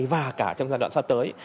và cả trong giai đoạn sắp tới